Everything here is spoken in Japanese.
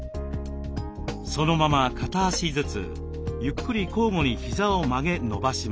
そのまま片足ずつゆっくり交互にひざを曲げ伸ばします。